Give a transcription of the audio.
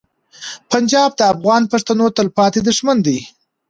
پنجاب د افغان پښتون تلپاتې دښمن دی.